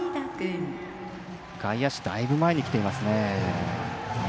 外野手、だいぶ前にきていますね。